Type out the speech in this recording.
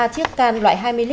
ba chiếc can loại hai mươi l